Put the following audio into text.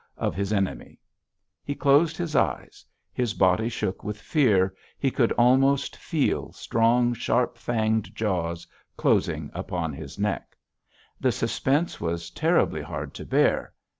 of his enemy. He closed his eyes; his body shook with fear; he could almost feel strong, sharp fanged jaws closing upon his neck! The suspense was terribly hard to bear!